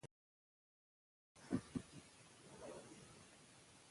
ښځې به ډوډۍ پخوي.